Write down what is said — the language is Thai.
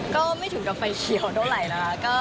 ก็ไม่ถึงกับไฟเขียวเท่าไหร่นะคะ